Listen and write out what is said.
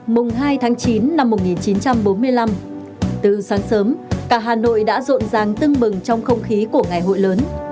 mùng hai tháng chín năm một nghìn chín trăm bốn mươi năm từ sáng sớm cả hà nội đã rộn ràng tưng bừng trong không khí của ngày hội lớn